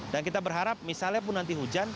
dan kita berharap misalnya pun nanti hujan